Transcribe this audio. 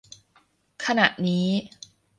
ขณะนี้